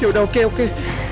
yaudah oke oke